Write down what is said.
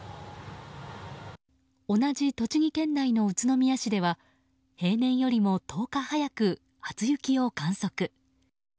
同じ栃木県内の宇都宮市では平年よりも１０日早く初雪を観測。